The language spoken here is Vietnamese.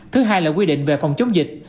thứ hai là quy định về phòng chống dịch